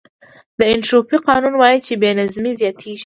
د انټروپي قانون وایي چې بې نظمي زیاتېږي.